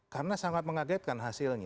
karena sangat mengagetkan hasilnya